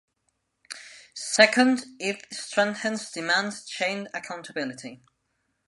Second, it strengthens demand chain accountability.